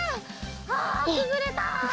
あくぐれた！